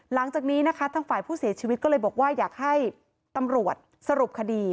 หลังจากนี้นะคะทางฝ่ายผู้เสียชีวิตก็เลยบอกว่าอยากให้ตำรวจสรุปคดี